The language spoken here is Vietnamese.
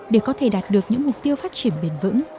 để có thể đạt được những mục tiêu phát triển bền vững